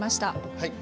はい。